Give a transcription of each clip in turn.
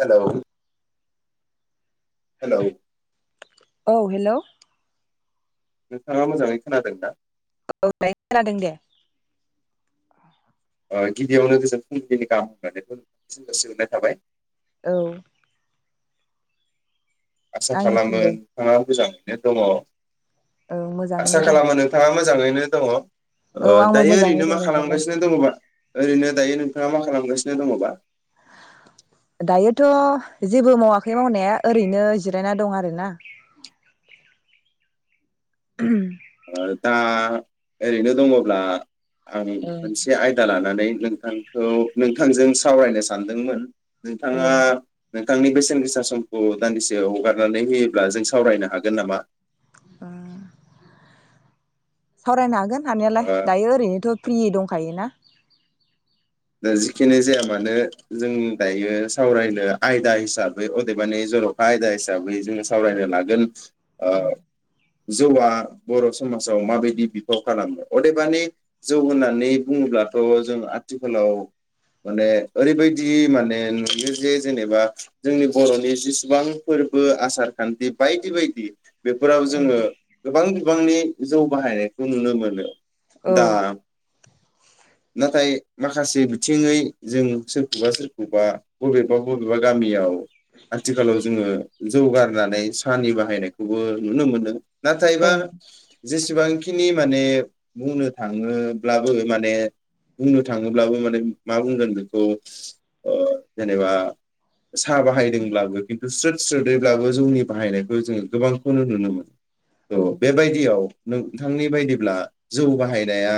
हेल' hello औ hello नोंथाङा मोजाङै खोनादों दा? औ दायो खोनादों दे। ओ गिबियावनो गोजोन फुंबिलिनि गाहाम हामब्लायनायखौ नोंथांनिसिम जासिहरनाय थाबाय। औ। आसा खालामो आंनिसिमबो नोंथाङा मोजां [unintelligible] दङ औ आसा मोजाङैनो दं खालामो नोंथाङा मोज मोजाङैनो औ दङ आंबो दायो मोजाङै ओरैनो दं मा दंनायालाय खालामगासिनो दङबा ओरैनो दायो नों नोंथाङा मा खालामगासिनो दङबा? दायोथ' जेबो मावाखै मावनाया ओरैनो जिरायना दं आरो ना। [inaudible] दा ओरैनो दङब्ला आंनि औ मोनसे आयदा लानानै नोंथांखौ नोंथांजों सावरायनो सानदोंमोन। औ नोंथाङा नोंथांनि बेसेन गोसा समखौ दान्दिसेयाव हगारनानै होयोब्ला जों सावरायनो हागोन नामा [unintelligible] सावरायनो हागोन हानायालाय ओ दायो ओरैनोथ फ्रि दंखायो ना दा जिखिनि जाया मानो जों दायो सावरायनो आयदा हिसाबै अदेबानि जरखा आयदा हिसाबै जोङो सावरायनो लागोन औ जौआ बर समाजाव माबायदि बिफाव खालामो अदेबानि जौ होननानै बुङोब्लाथ जों आथि खालाव माने ओरैबायदि माने नुयो जे जेनेबा जोंनि बरनि जेसेबां फोरबो आसार खान्थि बायदि बायदि बेफोराव औ जोङो गोबां बि बांनि जौ बाहायनायखौ नुनो मोनो दा औ नाथाय माखासे बिथिङै जों सोरखौबा सोरखौबा बबेबा बबेबा गामियाव आथिखालाव जोङो जौ गारनानै सानि बाहायनायखौबो नुनो मोनो नाथायबा जेसेबांखिनि माने बुंनो थाङोब्लाबो माने बुंनो थाङोब्लाबो माने मा बुंगोन बेखौ ओ जेनेबा साह बाहायदोंब्लाबो [unintelligible] स्रोद स्रोदैब्लाबो जोंनि बाहायनायखौ जोङो गोबांखौनो नुनो मोनो औ बेबायदियाव नोंथांनि बायदिब्ला जौ बाहायनाया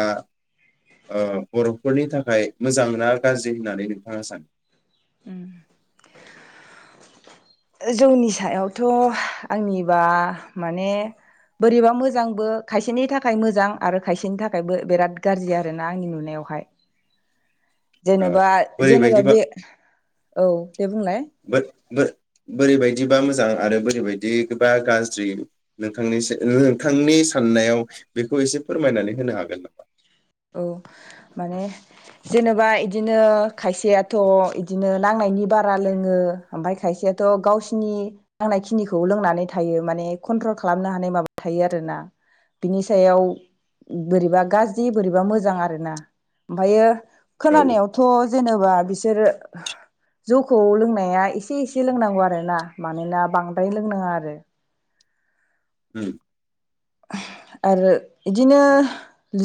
ओ बर फोरनि थाखाय मोजां ना गाज्रि होननानै नोंथाङा सानो उम जौनि सायावथ आंनिबा माने बोरैबा मोजांबो खायसेनि थाखाय मोजां आरो खायसेनि थाखायबो बिराद गाज्रि आरोना आंनि नुनायावहाय ओ जेनेबा जेनेबा बोरैबायदिबा बे औ दे बुंलाय बो बोरैबायदिबा मोजां आरो बोरैबायदिबा गाज्रि नोंथांनि नोंथांनि साननायाव बेखौ एसे फोरमायनानै होनो हागोन नामा औ माने जेनेबा बिदिनो खायसेयाथ बिदिनो नांनायनि बारा लोङो ओमफ्राय खायसेयाथ गावसिनि नांनाय खिनिखौ लोंनानै थायो माने कन्ट्रल खालामनो हानाय माबा थायो आरोना बिनि सायाव बोरैबा गाज्रि बोरैबा मोजां आरो ना ओमफ्रायो नामा औ खोनानायावथ जेनेबा बिसोरो जौखौ लोंनाया एसे एसे लोंनांगौ आरोना मानोना बांद्राय लोंनाङा आरो उम आरो इदिनो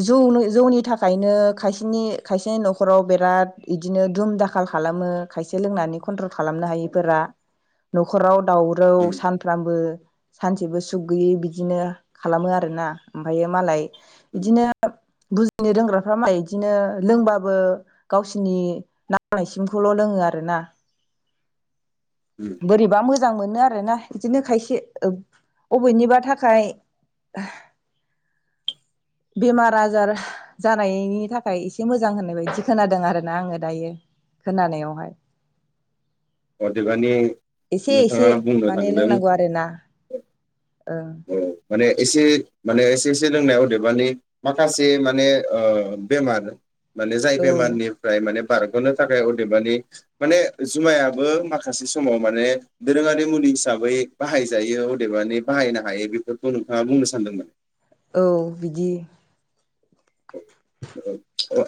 जौ जौनि थाखायनो खायसेनि खायसेनि नखराव बिराद इदिनो दुम दाखाल खालामो खायसे लोंनानै कन्ट्रल खालामनो हायिफोरा नखराव दावराव उम सानफ्रामबो सानसेबो सुख गैयै बिदिनो खालामो आरो आरोना ओमफ्रायो मालाय उम बिदिनो बुजिनो रोंग्राफ्रा मालाय बिदिनो लोंबाबो गावसिनि नांनायसिमखौल लोंङो आरो ना उम बोरैबा मोजां मोजां मोनो आरोना बिदिनो खायसे बबेनिबा थाखाय बेमार आजार जानायनि थाखाय एसे मोजां होननाय बायदि खोनादों आरो ना आंङो दायो खोनानायावहाय औ अदेबानि एसे एसे नोंथाङा बुंनो माने थांदों लोंनांगौ आरोना ओं औ माने एसे माने एसे एसे लोंनाय अदेबानि माखासे माने ओ बेमार माने जाय औ बेमारनिफ्राय माने बारगनो थाखाय अदेबानि माने जुमायाबो माखासे समाव माने दोरोंङारि मुलि हिसाबै बाहायजायो अदेबानि बाहायनो हायो बेफोरखौ नोंथाङा बुंनो सानदोंमोन? औ बिदि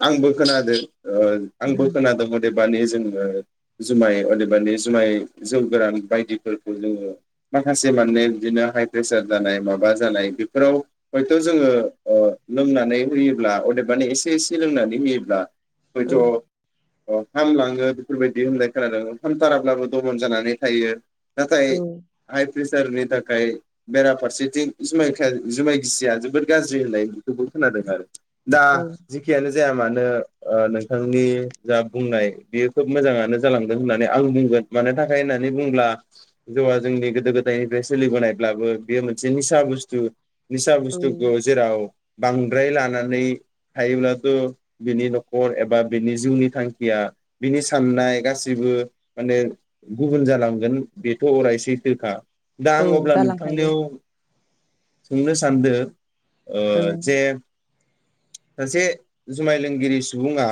आंबो खोनादो ओ आंबो ओं खोनादोंमोन दे मानि जोंङो जुमाय अदेबानि जुमाय जौ गोरान बायदिफोरखौ जोंङो माखासे माने बिदिनो हाइ प्रेसार जानाय माबा जानाय बेफोराव हयथ जोंङो ओ लोंनानै होयोब्ला अदेबानि एसे एसे लोंनानै होयोब्ला बै ज औ अ हामलांङो बेफोरबायदि होनलाय खोनादों हामथाराब्लाबो दमन जानानै थायो। नाथाइ औ आइ प्रेसारनि थाखाय बेराफारसेथिं जुमाय खाय जुमाय गिसिया जोबोद गाज्रि होननाय बेखौबो खोनादों आरो दा औ जिखियानो जाया मानो ओ नोंथांनि जा बुंनाय बेयो खोब मोजाङानो जालांदों होननानै आं बुंगोन। मानो थाखाय होननानै बुंब्ला जौआ जोंनि गोदो गोदाय बे सोलिबोनायब्लाबो बेयो मोनसे निसा बुस्थु। निसा बुस्थुखौ जेराव बांद्राय लानानै नै थायोब्लाथ बिनि नखर एबा बिनि जिउनि थांखिया बिनि साननाय गाससिबो माने गुबुन जालांगोन बेथ‌अराय सैथोखा। दा औ आं अब्ला जालांखायो नोंथांनियाव सोंनो सानदो? ओ ओं जे सासे जुमाय लोंगिरि सुबुङा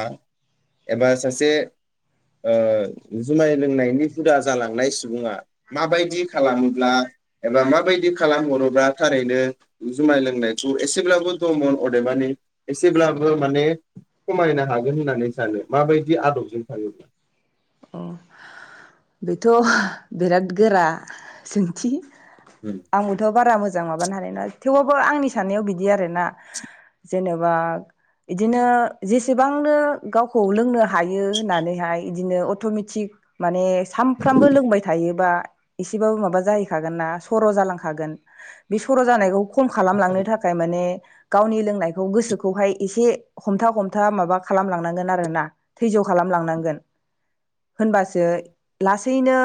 एबा सासे ओ जुमाय लोंनायनि हुदा जालांनाय सुबुङा माबायदि खालामोब्ला एबा माबायदि खालामहरोब्ला थारैनो जुमाय लोंनायखौ एसेब्लाबो दमन अदेबानि एसेब्लाबो माने खमायनो हागोन होननानै सानो माबायदि आदबजों थाङोब्ला? अ बेथ बिराद गोरा सोंथि। आंबोथबारा मोजां मोजां माबानो हानायानो थेवबाबबो आंनि साननायाव बिदि आरोना जेनेबा इदिनो जेसेबांनो गावखौ लोंनो हा हायो होननानैहाय इदिनो अ अट'मेटिक माने सानफ्रामबो लोंबाय थायोबा एसेबाबो माबा जाहैखागोन ना सर' जालांखागोन बे सर' जानायखौ खम औ खालामलांनो थाखाय माने गावनि लोंनायखौ गोसोखौहाय एसे हमथा हमथा माबा खालामलांनांगोन आरोना थैज्य खालामलांनांगोन। होनबासो लासैनो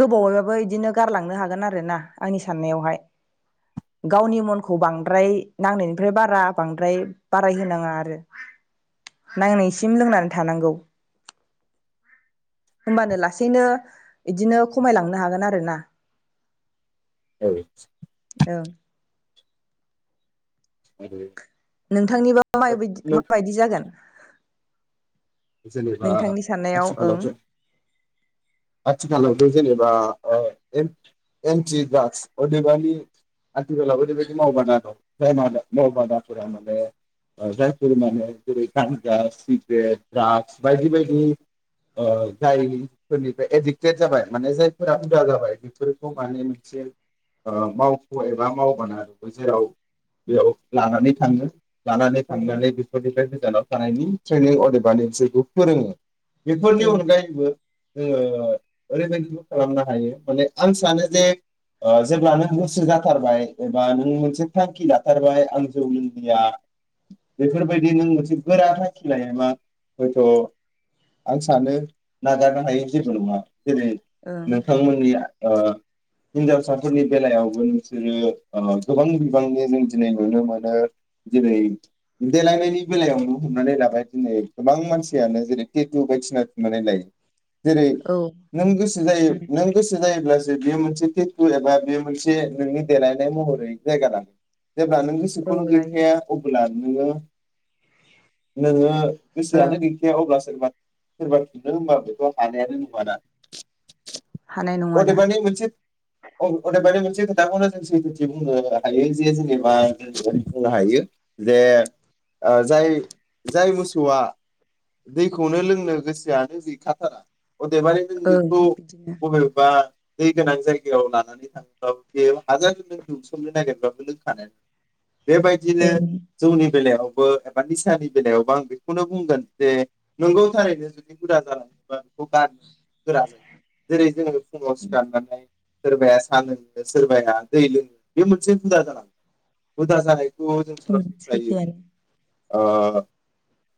गोबावैबाबो इदिनो गारलांनो हागोन आरो ना आंनि साननाययावहाय। गावनि मनखौ बांद्राय नांनायनिफ्राय बारा बांद्राय बाराय होनाङा आरो नांनायसिम लोंनानै थानांगौ। होमबानो लासैनो इदिनो खमायलांनो हागोन आरोना। औ। औ। मा होनदो नोंथांनिबा माबाय माबायदि जागोन? जेनेबा नोंथांनि साननायाव आथिखालाव ओं आथिखालावथ' जेनेबा ओ एन्टि ड्राग्स अदेबानि आथिखालावबो ओरैबायदि मावबादा दं जाय मावबादाफोरा माने जायफोर माने जेरै गान्जा सिग्रेट द्राग्स बायदि बायदि ओ जायफोरनिफ्राय एडिक्टेड जाबाय माने जायफोरा हुदा जाबाय बेफोरखौ माने मोनसे ओ मावख' एबा मावबादा जेराव बेयाव लानानै थाङो लानानै थांनानै ओं बेफोरनिफ्राय गोजानाव थानायनि ट्रेनिं माने बिसोरखौ फोरोङो। बेफोरनि अनगायैबो जोङो ओरैबायदिबो खालामनो हायो माने आं सानो जे ओ जेब्ल नों गोसो जाथारबाय एबा नों मोनसे थांखि लाथारबाय आं जौ लोंनिया बेफोरबायदि नों मोनसे गोरा थांखि लायोबा हयथ' आं सानो नागारनो हायै जेबो नङा। जेरै ओं नोंथांमोननिया ओ हिनजावसाफोरनि बेलायावबो नोंसोरो ओ गोबां बिबांनि जों दिनै नुनो मोनो दिेनै देलायनायनि बेलायावनो हमनानै लाबाय दिनै गोबां मानसियानो जेरै टेटु बायदिसिना थुननानै लायो। जेरै ओं नों गोसो जायो औ नों गोसो जायोब्लासो जे बेयो मोनसे तेतु एबा बे मोनसे नोंनि देलायनाय महरै जायगा दां। जेब्ला नो औ गोसोखौनो लायो गैखाया अब्ला नोङो नोङो। ओं गोसोयानो गैखाया अब्ला सोरबा सोरबा खिनथानो होनोमबोथ' हानायानो नङाना। हानाय नङा अदे दा बानि मोनसे। अदेबानि मोनसे खोथाखौनो जों सैथोथि बुंनो हायो जे जेनेबा जों बुंनो हायो जे जाय जाय मोसौआ दैखौनो लोंनो गोसोआानो गैखाथारा अदेबानि नों ओं बेखौ बिदिनो बबेबा दै गोनां जायगायाव लानानै थाङोब्ला बे हाजार जों दौसोमनो नागिर [unintelligible] बेबायदिनो ओं जौनि बेलायाव एबा निसानि बेलायावबबो आं बेखौनो बुंगोन जे नोंगौ थारैनो जुदि हुदा जालाङोबा बेखौ गारनो गोरा जायो जेरै जोङो फुंआव सिखारनानै सोरबाया सा लोङो सोरबाया दै लोङो बे मोनसे हुदा जानांबाय हुदा जानाय फुंआव जों ओं सरासनस्रायै सैथोआनो अ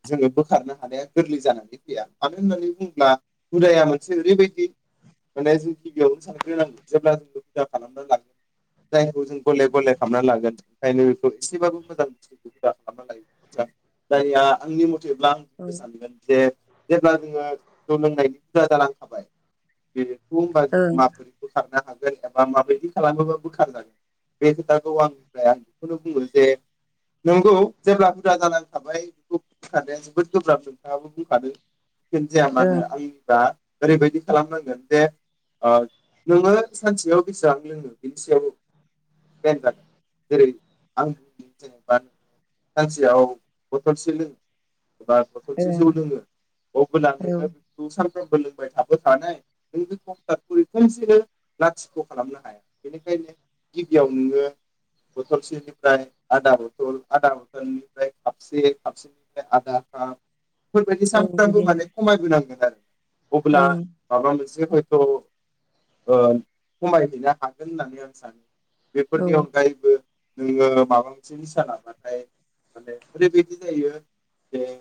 जोङो बोखारनो हानाया गोरलै जानानै फैया मानो होननानै बुङोब्ला हुदाया मोनसे ओरैबायदि माने जों गिबियावनो सानग्रोनांगौ जेब्ला जोङो हुदा खालामना लागोन जायखौ जों गले गले खालामना लागोन ओंखायनो बेखौ एसेबाबो मोजां बुस्थखौ हुदा खालामना लायो जायहा आंनि म थिब्ला औ आंबो सानगोन दे जेब्ला जोङो जौ लोंनायनि हुदा जालांखाबाय बे बेखौ होनबा ओं माबोरैखौ बोखारनो हागोन? एबा माबायदि खालामोबा बोखार जागोन बे खोथाखौ आंनिफ्राय आं बेखौनो बुङो जे नंगौ जेब्ला हुदा जालां खाबाय [unintelligible] बोखारनाया जोबोद गोब्राब नोंथाङाबो बुंखादों। [unintelligible] जाया मानो ओं आंनिबा ओरैबायदि खालामनांगोन जे ओ नोङो सानसेयाव बेसेबां लोङो बिनि सायाव प्लेन जागोन जेरै आं बुंनि जेनेबा नोङो सानसेयाव बथलमोनसे लोङो। एबा बथलसे जौ ओं लोङो अब्ला औ नोङो बेखौ सा बो लोंबाय थाबो थानायानाय नों बे कटारखौरि खनसेनो लाथिख' खालामनो हाया बेनिखायनो गिबियाव नोङो बथलसेनिफ्राय आदा बथल आदा बथलनिफ्राय खापसे खापसेनि आदा खाब फोरबायदि औ सानफ्रोमबो बिदिनो माने खमायबोनांगोन आरो। अबोला ओं माबामोनसे जे हयथ' ओ खमायहैनो हागोन होननानै आं सानो। औ बेफोरनि अनगायैबो नोङो माबा मोनसे निसा लानानै माने ओरैबायदि जायो। बेे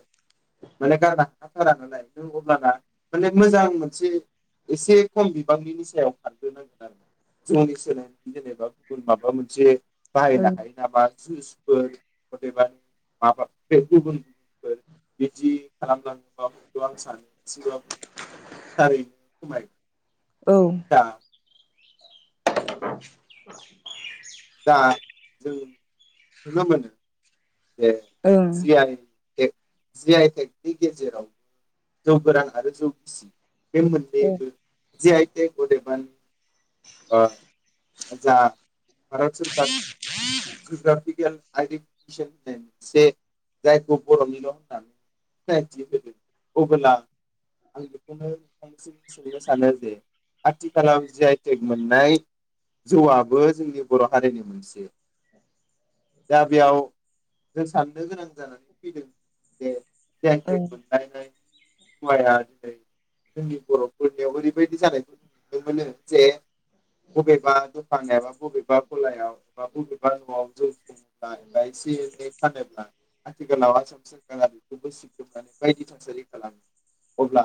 माने गारनो हाखाथारा नालाय नों अब्लाना माने मोजां मोनसे एसे खम बिबांनि निसायाव खारग्रोनांगोन आरो जौनि सोलाय जेनेबा गुबुन माबा मोनसे बाहायनो ओं हायो नामा जुसफोर अदेबानि माबा बे गुबुन फोर बिदि खालामलांङोब्ला आं सानो एसेब्लाबो थारैनो खमायो। औ [inaudible] दा जों नुनो मोनो। दे ओं जियाय जि आइ टेकनि गेजेरावबो जौ गोरान आरो जौ गिसि बे ओं मोननैबो जि आइ टेक अदेबानि ओ जा। भारत सरखार जुग्राफिकेल। आइडि [unintelligible] जायखौ बर'निल' होननानै सिनायथि होदों अबोला आं बेखौनो नोंथांनिसिम सोंनो सानो जे आथिखालाव जि आइ टेक मोननाय जौआबो जोंनि बर' हारिनि मोनसे दा बेयाव जों साननो गोनां जानानै फैदों जे जि आइ टेक ओं मोनानै हवाया दिनै जोंनि बर'फोरनियाव ओरैबायदि जानायखौ जों नुनो मोनो जे बबेबा दखान एबा बबेबा गलायाव एबा बबेबा न'आव जे बा एबा एसे एनै फानोब्ला आथिखालाव आसाम सोरखारा बेबो सिग्रोमनानै बायदि थासारि खालामो अब्ला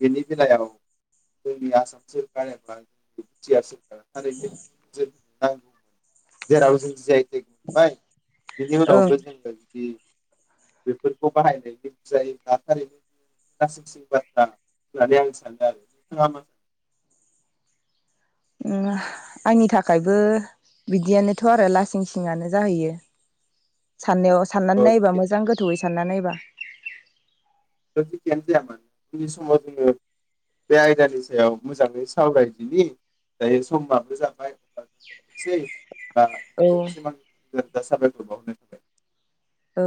बेनि बेलायाव जोंनि आसाम सोरखार एबा जिया सो ओ थारैनो जों ओं जेराव जों जि आइ टेक मोनबाय बिनि उनावबो जोङो बिदि बेफोरखौ बाहायनाय [unintelligible] लासिंसिं बाथ्रा होननानै आं सानदों आरो नोंथाङा मा ओम आंनि थाखायबो बिदियानोथ' आरो लासिं सिङानो जाहैयो। साननायाव साननानै नायोबा सानो मोजां गोथौैयै सानना नायबा। ओ जेखियानो जाया मानो उननि समाव जोङो बे आयदानि सायाव मोजाङै सावरायदिनि दायो समाबो जाबाय। औ [unintelligible] दा साबायखर बावनाय थाबाय। औ।